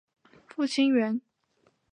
父亲袁。